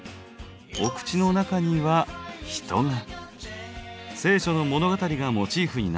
お口の中には人が。